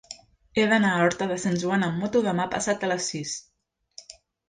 He d'anar a Horta de Sant Joan amb moto demà passat a les sis.